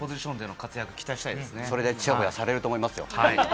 それでちやほやされると思います。